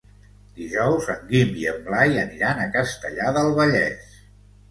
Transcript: Dijous en Guim i en Blai aniran a Castellar del Vallès.